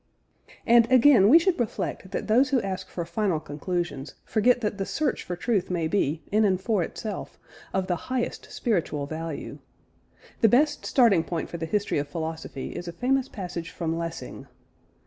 And, again, we should reflect that those who ask for final conclusions, forget that the search for truth may be, in and for itself, of the highest spiritual value. The best starting point for the history of philosophy is a famous passage from Lessing.